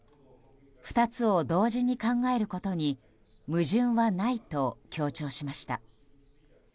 ２つを同時に考えることに矛盾はないと強調しました。